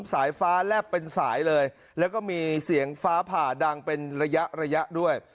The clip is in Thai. สายฟ้าแลบเป็นสายเลยแล้วก็มีเสียงฟ้าผ่าดังเป็นระยะระยะด้วย